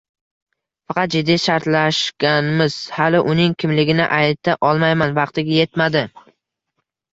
Faqat jiddiy shartlashganmiz, hali uning kimligini ayta olmayman, vaqti etmadi